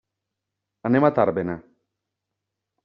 Anem a Tàrbena.